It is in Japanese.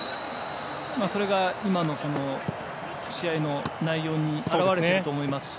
それが今の試合の内容に表れていると思いますし。